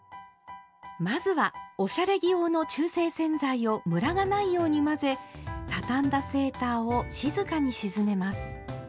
まずはおしゃれ着用の中性洗剤をムラがないように混ぜたたんだセーターを静かに沈めます。